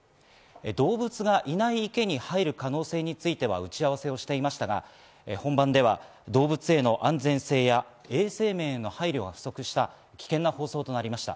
動物がいない池に入る可能性については打ち合わせしておりましたが、本番では動物への安全性や衛生面への配慮が不足した、危険な放送となりました。